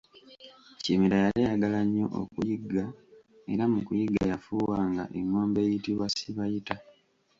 Kimera yali ayagala nnyo okuyigga era mu kuyigga yafuuwanga engombe eyitibwa sibayita.